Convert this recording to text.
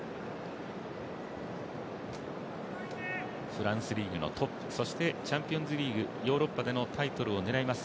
フランスリーグのトップ、そしてチャンピオンズリーグヨーロッパでのタイトルを狙います